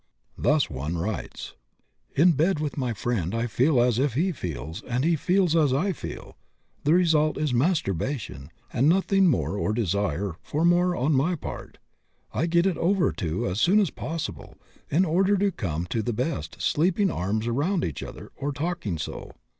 Thus, one writes: "In bed with my friend I feel as he feels, and he feels as I feel. The result is masturbation, and nothing more or desire for more on my part. I get it over, too, as soon as possible, in order to come to the best sleeping arms round each other, or talking so."